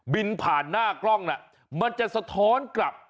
บินผ่านหน้ากล้องน่ะมันจะสะท้อนกลับ